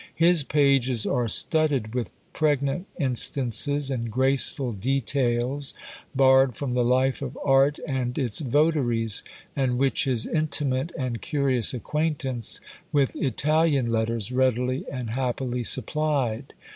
His pages are studded with pregnant instances and graceful details, borrowed from the life of Art and its votaries, and which his intimate and curious acquaintance with Italian letters readily and happily supplied.